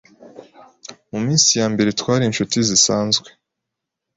Mu minsi yambere twari inshuti zisanzwe